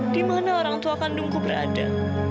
di mana orang tua kandungku berada